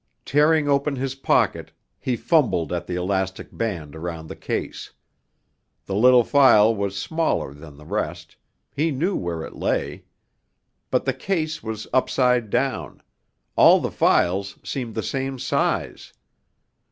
Tearing open his pocket he fumbled at the elastic band round the case. The little phial was smaller than the rest; he knew where it lay. But the case was upside down; all the phials seemed the same size.